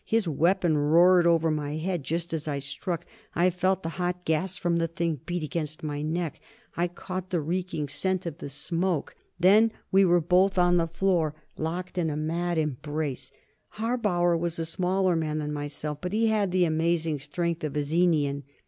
His weapon roared over my head, just as I struck. I felt the hot gas from the thing beat against my neck; I caught the reeking scent of the smoke. Then we were both on the floor, and locked in a mad embrace. Harbauer was a smaller man than myself, but he had the amazing strength of a Zenian.